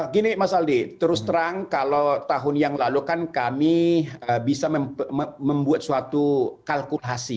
gini mas aldi terus terang kalau tahun yang lalu kan kami bisa membuat suatu kalkulasi